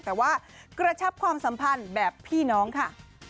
แต่ว่ากระชับความสัมพันธ์แบบพี่น้องค่ะ